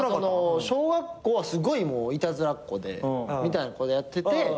小学校はすごいいたずらっ子でみたいなことやってて。